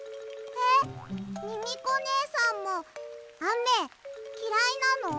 えっミミコねえさんもあめきらいなの？